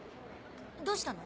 どうしたの？